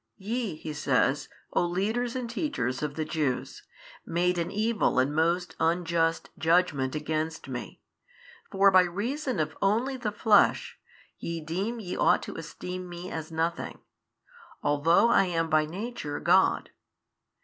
YE (He says) O leaders and teachers of the Jews, made an evil and most unjust judgment against Me: for by reason of only the flesh, ye deem ye ought to esteem Me as nothing, although I am by Nature God.